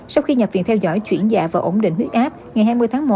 sau khi nhập viện theo dõi chuyển dạ và ổn định huyết áp ngày hai mươi tháng một